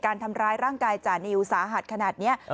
การทำร้ายร่างกายจานิวสาหัสขนาดนี้